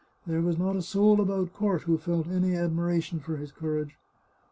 There was not a soul about court who felt any admiration for his courage.